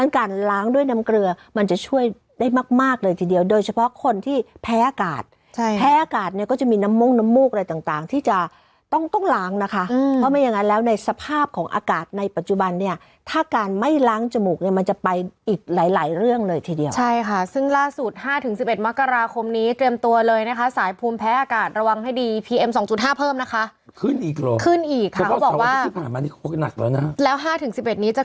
การล้างด้วยน้ำเกลือมันจะช่วยได้มากมากเลยทีเดียวโดยเฉพาะคนที่แพ้อากาศใช่แพ้อากาศเนี้ยก็จะมีน้ำมุ้งน้ำมูกอะไรต่างต่างที่จะต้องต้องล้างนะคะอืมเพราะไม่อย่างงั้นแล้วในสภาพของอากาศในปัจจุบันเนี้ยถ้าการไม่ล้างจมูกเนี้ยมันจะไปอีกหลายหลายเรื่องเลยทีเดียวใช่ค่ะซึ่งล่าสุดห้าถึงส